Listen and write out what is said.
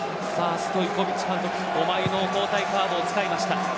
ストイコヴィッチ監督５枚の交代カードを使いました。